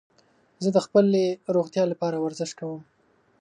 زه د خپلې روغتیا لپاره ورزش کوم.